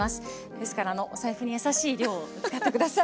ですからお財布に優しい量を使って下さい。